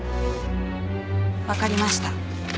わかりました。